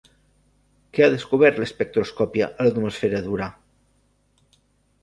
Què ha descobert l'espectroscòpia a l'atmosfera d'Urà?